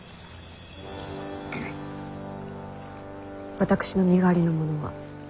私の身代わりの者は？